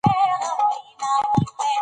علم انسان ته شعور ورکوي.